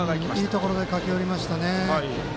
いいところで駆け寄りましたね。